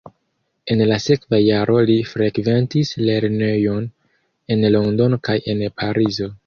En la sekva jaro li frekventis lernejon en Londono kaj en Parizo.